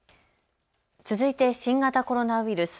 続いて新型コロナウイルス。